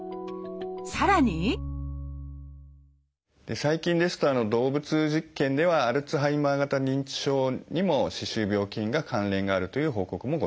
さらに最近ですと動物実験ではアルツハイマー型認知症にも歯周病菌が関連があるという報告もございます。